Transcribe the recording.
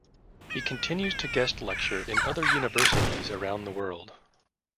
He continues to guest lecture in other universities around the world.